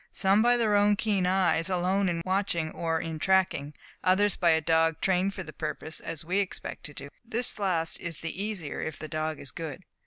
"Some by their own keen eyes alone in watching or in tracking; others by a dog trained for the purpose, as we expect to do. This last is the easier if the dog is good.